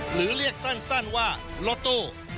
หรือเรียกสั้นว่าโลโต้